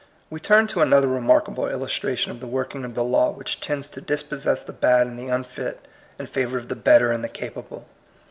We turn to another remarkable illustra tion of the working of the law which tends to dispossess the bad and the unfit in favor of the better and the capable.